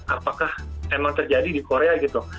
apakah emang terjadi di korea gitu